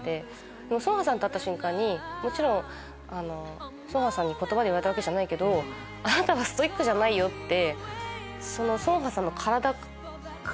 でも成河さんと会った瞬間にもちろん成河さんに言葉で言われたわけじゃないけどあなたはストイックじゃないよって。